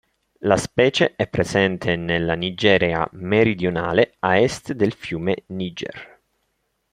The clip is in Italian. La specie è presente nella Nigeria meridionale, a est del fiume Niger.